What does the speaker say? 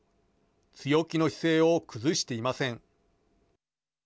強気の姿勢を崩していません。